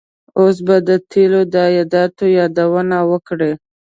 اوس به د تیلو د عایداتو یادونه وکړي.